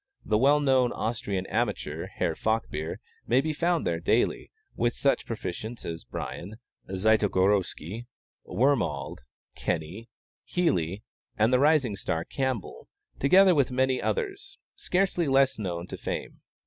The well known Austrian amateur, Herr Falkbeer, may be found there daily, with such proficients as Brien, Zytogorsky, Wormald, Kenny, Healey, and the rising star, Campbell, together with many others, scarcely less known to fame.